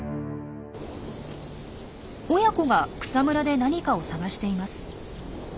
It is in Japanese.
親子が草むらで何かを探しています。